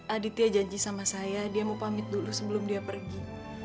aditya janji sama saya dia mau pamit dulu sebelum dia pergi